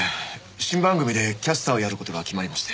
新番組でキャスターをやる事が決まりまして。